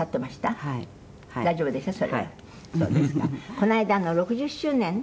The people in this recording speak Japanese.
この間の６０周年？